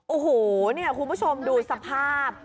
โอ้โหเนี่ยคุณผู้ชมดูสภาพ